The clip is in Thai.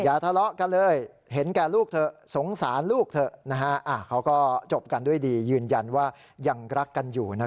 อย่าทะเลาะกันเลยเห็นแก่ลูกเถอะสงสารลูกเถอะ